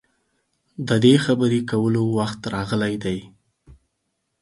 د دې خبرې کولو وخت راغلی دی.